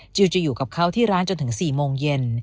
จะอยู่กับเขาที่ร้านจนถึง๔โมงเย็น